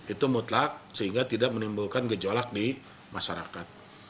itu mutlak sehingga tidak menimbulkan gejolak di masyarakat